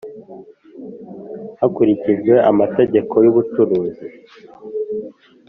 Hakurikijwe amategeko y ubucuruzi